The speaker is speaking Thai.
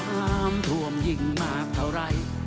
น้ำท่วมยิ่งมากเท่าไร